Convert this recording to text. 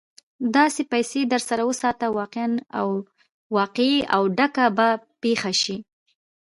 دا پيسې در سره وساته؛ واقعه او ډکه به پېښه شي.